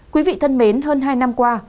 quý vị thân mến hơn hai năm qua